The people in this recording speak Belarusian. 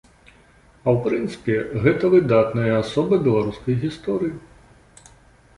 А ў прынцыпе, гэта выдатная асоба беларускай гісторыі.